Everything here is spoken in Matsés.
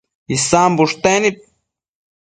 Isan bushtec nid